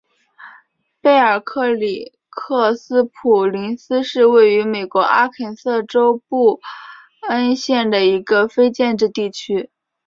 贝尔克里克斯普林斯是位于美国阿肯色州布恩县的一个非建制地区。